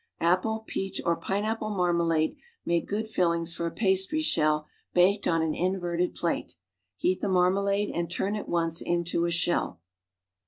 Apple, peach or pineapple marmalade make good fillings for a pastry shell baked on an inverted plate. Heat the marmalade and turn at once into a shell.